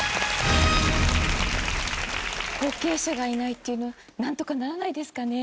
後継者がいないっていうのなんとかならないですかね？